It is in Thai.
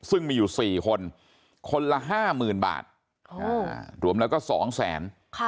ซึ่งมีอยู่สี่คนคนละห้าหมื่นบาทหลวมแล้วก็สองแสน